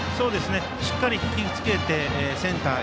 しっかり引き付けてセンターへ。